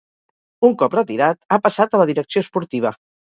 Un cop retirat, ha passat a la direcció esportiva.